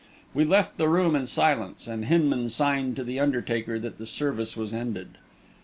We left the room in silence, and Hinman signed to the undertaker that the service was ended.